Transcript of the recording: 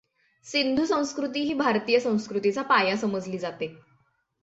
सिंधू संस्कृती ही भारतीय संस्कृतीचा पाया समजली जाते.